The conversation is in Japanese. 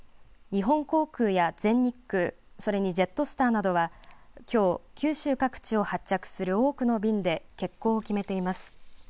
日本航空や全日空、それにジェットスターなどはきょう九州各地を発着する多くの便で欠航を決めています。